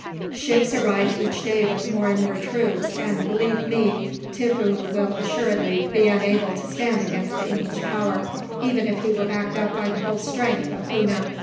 Ships arrive each day with more and more troops and, believe me, Tippoo will assuredly be unable to stand against the English power, even if he were backed up by the whole strength of Poona.